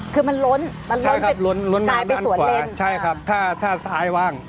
คือมันล้นมันล้นไปล้นมาด้านขวาใช่ครับถ้าซ้ายว่าง